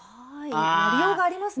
やりようがありますね。